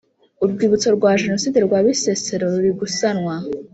Urwibutso rwa Jenoside rwa Bisesero rurigusanwa.